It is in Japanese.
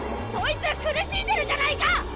ソイツ苦しんでるじゃないか！